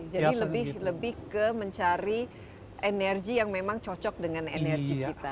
jadi lebih ke mencari energi yang memang cocok dengan energi kita